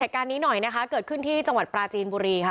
เหตุการณ์นี้หน่อยนะคะเกิดขึ้นที่จังหวัดปราจีนบุรีค่ะ